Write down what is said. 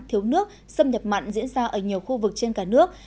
thiếu nước xâm nhập mặn diễn ra ở nhiều khu vực trên cả nước